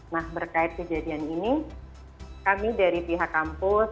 nah berkait kejadian ini kami dari pihak kampus